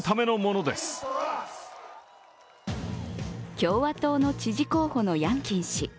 共和党の知事候補のヤンキン氏。